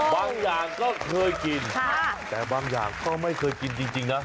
บางอย่างก็เคยกินแต่บางอย่างก็ไม่เคยกินจริงนะ